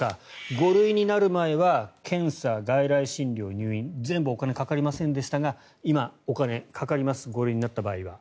５類になる前は検査、外来診療、入院全部お金がかかりませんでしたが今、お金、かかります５類になった場合は。